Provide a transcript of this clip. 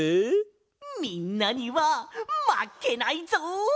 みんなにはまけないぞ！